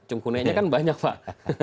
cengkunenya kan banyak pak